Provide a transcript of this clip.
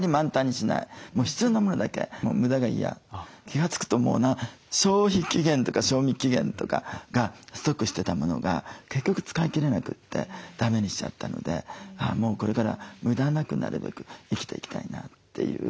気が付くと消費期限とか賞味期限とかがストックしてたものが結局使い切れなくてだめにしちゃったのでもうこれから無駄なくなるべく生きていきたいなっていう。